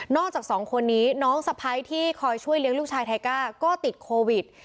จากสองคนนี้น้องสะพ้ายที่คอยช่วยเลี้ยงลูกชายไทก้าก็ติดโควิด